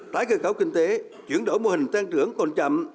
tại cơ kháo kinh tế chuyển đổi mô hình tăng trưởng còn chậm